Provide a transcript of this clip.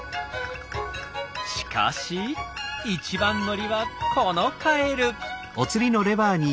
しかし一番乗りはこのカエル。